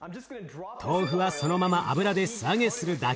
豆腐はそのまま油で素揚げするだけ。